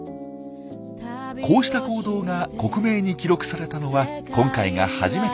こうした行動が克明に記録されたのは今回が初めて。